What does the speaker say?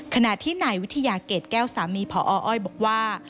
ขณะที่นายวิทยาเกรดแก้วสามีพออ้อยบอกว่า